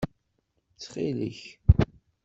Ttxil-k!